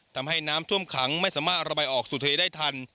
ทำให้น้ำท่วมขังไม่สามารถระบายออกสู่ทะเลได้ทัน